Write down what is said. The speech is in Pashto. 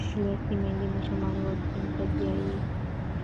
لوستې میندې ماشومان واکسین ته بیايي.